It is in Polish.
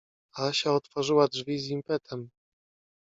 Asia otworzyła drzwi z impetem.